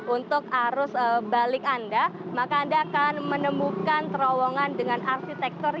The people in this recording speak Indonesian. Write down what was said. untuk arus balik anda maka anda akan menemukan terowongan dengan arsitektur